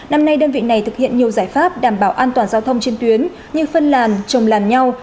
năm nay đơn vị này thực hiện nhiều giải pháp đảm bảo an toàn giao thông trên tuyến như phân làn trồng làn nhau